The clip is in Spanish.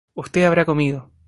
Usted habrá comido